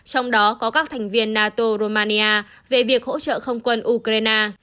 trong đó có các thành viên nato romania về việc hỗ trợ không quân ukraine